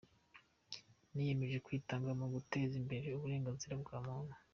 Niyemeje kwitanga mu guteza imbere uburenganzira bwa muntu,”